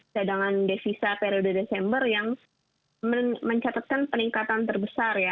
cadangan devisa periode desember yang mencatatkan peningkatan terbesar ya